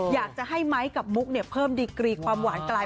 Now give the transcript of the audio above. อยากจะให้ไม้กับมุกเพิ่มดีกรีความหวานกลาย